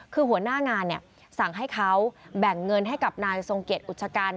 คือหัวหน้างานสั่งให้เขาแบ่งเงินให้กับนายทรงเกียจอุชกัน